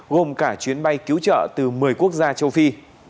gồm cả chuyến bay cứu trợ từ một mươi quốc gia châu phi